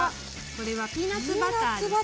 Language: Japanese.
これはピーナツバターですね。